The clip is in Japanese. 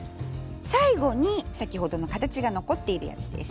最後に先ほどの形が残っているやつです。